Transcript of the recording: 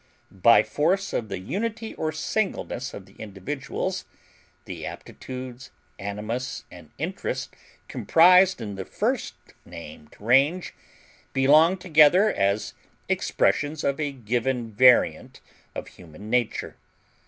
By force of the unity or singleness of the individual, the aptitudes, animus, and interests comprised in the first named range belong together as expressions of a given variant of human nature.